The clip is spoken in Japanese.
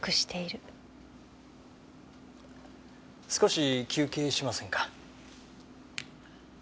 少し休憩しませんか？